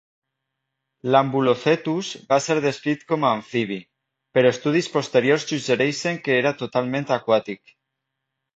L'ambulocetus va ser descrit com a amfibi, però estudis posteriors suggereixen que era totalment aquàtic.